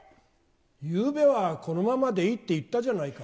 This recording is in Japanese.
ゆうべはこのままでいいって言ったじゃないか。